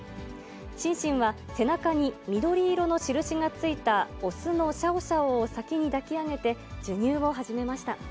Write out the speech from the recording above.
シンシンは、背中に緑色の印がついた、雄のシャオシャオを先に抱き上げて、授乳を始めました。